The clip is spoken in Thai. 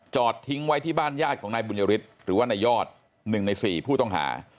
จอดทิ้งไว้ที่บ้านญาติของนายบุญริตรหรือว่าในยอด๑ใน๔ผู้ต้องหา